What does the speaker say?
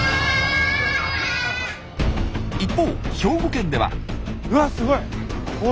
一方兵庫県では。